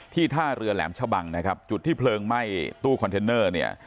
ท่าเรือแหลมชะบังนะครับจุดที่เพลิงไหม้ตู้คอนเทนเนอร์เนี่ย